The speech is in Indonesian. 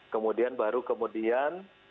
kemudian baru kemudian